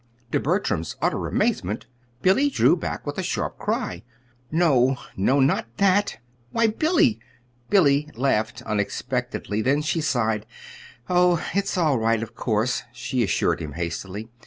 To Bertram's utter amazement, Billy drew back with a sharp cry. "No, no not that!" "Why, Billy!" Billy laughed unexpectedly; then she sighed. "Oh, it's all right, of course," she assured him hastily.